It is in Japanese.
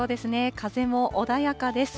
風も穏やかです。